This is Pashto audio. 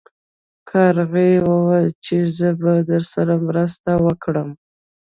کارغې وویل چې زه به درسره مرسته وکړم.